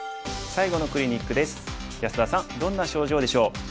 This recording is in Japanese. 安田さんどんな症状でしょう？